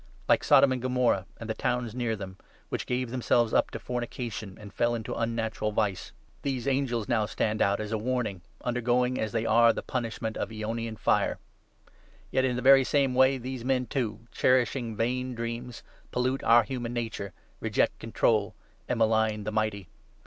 Like Sodom and Gomorrah and the towns 7 near them, which gave themselves up to fornication, and fell into unnatural vice, these angels now stand out as a * Enoch 48. ti. 6 Enoch 10. 6, 9. 472 JUDE. warning, undergoing, as they are, the punishment of aeonian fire. Yet in the very same way these men, too, cherishing vain 8 dreams, pollute our human nature, reject control, and malign the Mighty.